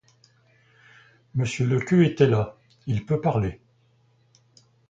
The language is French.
Monsieur Lequeu était là, il peut parler...